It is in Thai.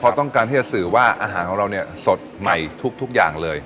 เพราะต้องการที่จะสื่อว่าอาหารของเราเนี่ยสดใหม่ทุกอย่างเลย